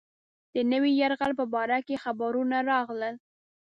د نوي یرغل په باره کې خبرونه راغلل.